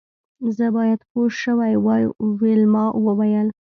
زه باید پوه شوې وای ویلما وویل